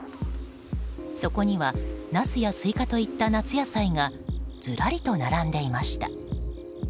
そこにはナスやスイカといった夏野菜がずらりと並んでいました。